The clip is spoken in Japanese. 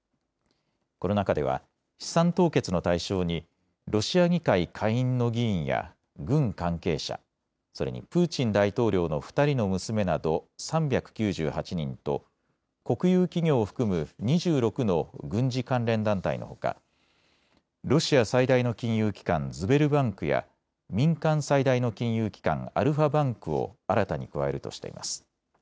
この中では資産凍結の対象にロシア議会下院の議員や軍関係者、それにプーチン大統領の２人の娘など３９８人と国有企業を含む２６の軍事関連団体のほかロシア最大の金融機関、ズベルバンクや民間最大の金融機関、アルファバンクを新たに加えるとしています。